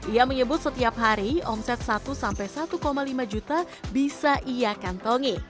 ia menyebut setiap hari omset satu sampai satu lima juta bisa ia kantongi